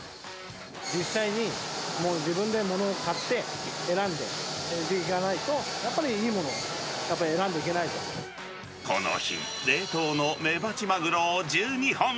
実際にもう自分でもの買って、選んでいかないと、やっぱりいいこの日、冷凍のメバチマグロを１２本。